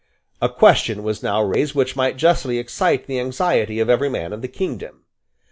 A question was now raised which might justly excite the anxiety of every man in the kingdom.